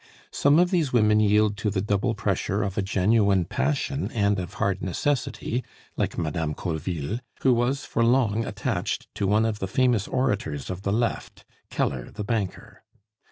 Some of these women yield to the double pressure of a genuine passion and of hard necessity, like Madame Colleville, who was for long attached to one of the famous orators of the left, Keller the banker.